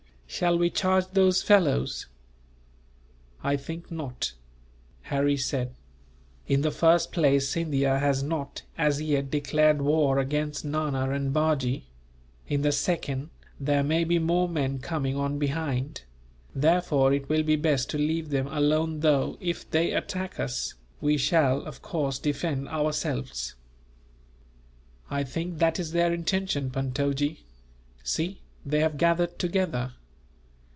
Shall we charge those fellows?" "I think not," Harry said. "In the first place Scindia has not, as yet, declared war against Nana and Bajee; in the second, there may be more men coming on behind; therefore it will be best to leave them alone though, if they attack us, we shall, of course, defend ourselves." "I think that is their intention, Puntojee. See, they have gathered together!